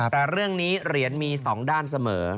แต่เรื่องนี้เหรียญมี๒ด้านเสมอ